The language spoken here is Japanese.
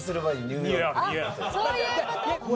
そういうこと？